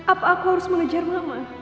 apa aku harus mengejar mama